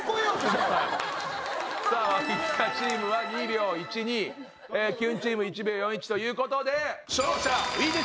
さあワヒヒダチームは２秒１２キュンチーム１秒４１という事で勝者Ｗｅｄｏ！